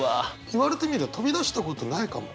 言われてみりゃ飛び出したことないかも。